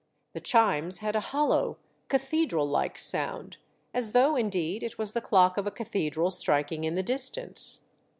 The chimes had a hollow, cathedral like sound, as though indeed it was the clock of a cathedral striking in the distance.